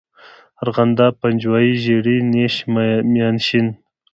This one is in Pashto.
ارغنداب، پنجوائی، ژړی، نیش، میانشین.